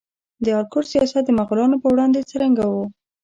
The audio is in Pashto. د آل کرت سیاست د مغولانو په وړاندې څرنګه و؟